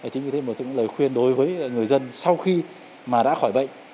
chính vì thế một lời khuyên đối với người dân sau khi đã khỏi bệnh